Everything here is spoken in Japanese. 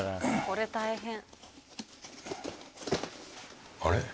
これ大変。